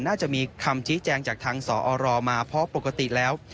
น่าจะมีคำชี้แจงจากทางสอรมาเพราะปกติแล้ว